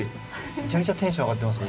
めちゃめちゃテンション上がってます